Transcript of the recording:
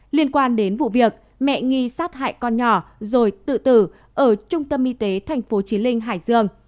liên quan đến vụ việc mẹ nghi sát hại con nhỏ rồi tự tử ở trung tâm y tế tp hcm